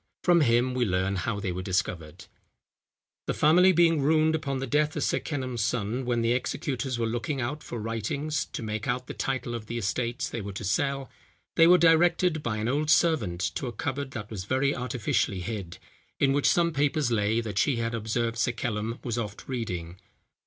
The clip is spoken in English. From him we learn how they were discovered. "The family being ruined upon the death of Sir Kenelm's son, when the executors were looking out for writings to make out the titles of the estates they were to sell, they were directed by an old servant to a cupboard that was very artificially hid, in which some papers lay that she had observed Sir Kenelm was oft reading.